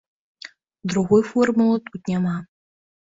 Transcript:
Другой формулы тут няма.